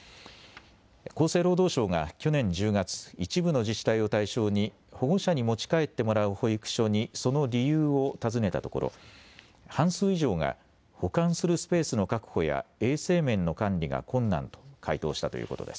厚生労働省が去年１０月、一部の自治体を対象に保護者に持ち帰ってもらう保育所にその理由を尋ねたところ半数以上が保管するスペースの確保や衛生面の管理が困難と回答したということです。